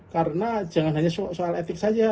karena jangan hanya soal etik saja